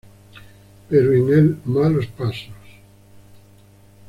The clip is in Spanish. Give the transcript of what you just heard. Pero a enel malos pasos.